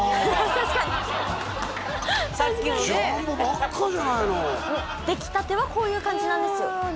確かにさっきもねジャンボばっかじゃないの出来たてはこういう感じなんですああ